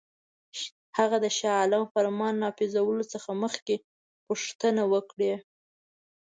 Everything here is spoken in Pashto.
هغه د شاه عالم فرمان نافذولو څخه مخکي پوښتنه وکړي.